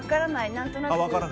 何となく。